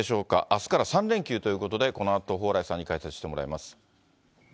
あすから３連休ということで、このあと、蓬莱さんに解説してもらいます。